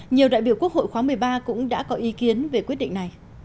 nhiều đại biểu quốc hội khóa một mươi ba cũng đã có ý kiến về quyết định này